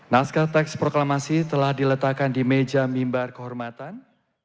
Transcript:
naskah teks proklamasi telah diletakkan di meja mimbar kehormatan